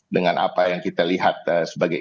dengan apa yang kita lihat sebagai